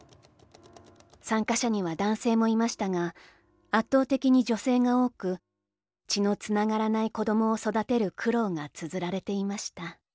参加者には男性もいましたが、圧倒的に女性が多く、血のつながらない子どもを育てる苦労が綴られていました」。